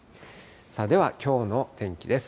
では、きょうの天気です。